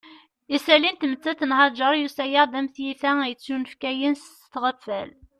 Isalli n tmettant n Haǧer yusa-aɣ-d am tiyita yettunefkayen s tɣeffal